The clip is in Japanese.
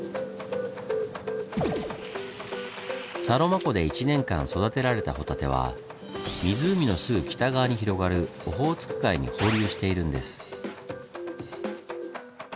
サロマ湖で１年間育てられたホタテは湖のすぐ北側に広がるオホーツク海に放流しているんです。